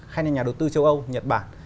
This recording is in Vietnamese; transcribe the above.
hay là nhà đầu tư châu âu nhật bản